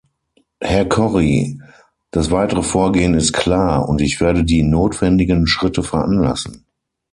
Herr Corrie, das weitere Vorgehen ist klar, und ich werde die notwendigen Schritte veranlassen.